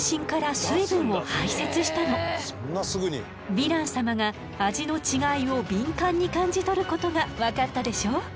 ヴィラン様が味の違いを敏感に感じ取ることが分かったでしょ。